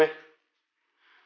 ayo kita keluar dari sini